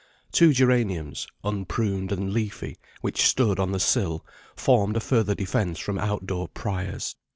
Two geraniums, unpruned and leafy, which stood on the sill, formed a further defence from out door pryers.